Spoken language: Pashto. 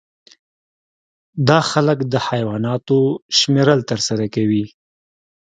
دا خلک د حیواناتو شمیرل ترسره کوي